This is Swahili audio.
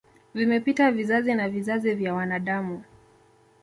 Vimepita vizazi na vizazi vya wanadamu